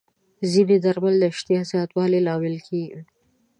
ځینې درمل د اشتها زیاتوالي لامل کېږي.